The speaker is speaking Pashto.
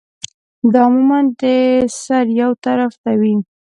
دا عموماً د سر يو طرف ته وی